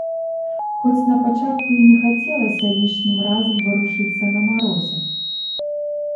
Хоць на пачатку і не хацелася лішнім разам варушыцца на марозе.